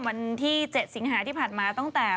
วันที่๗สิงหาที่ผ่านมาตั้งแต่